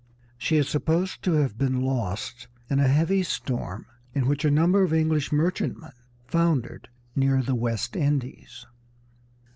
She is supposed to have been lost in a heavy storm in which a number of English merchantmen foundered near the West Indies.